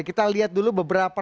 kita lihat dulu beberapa